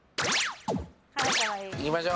行きましょう！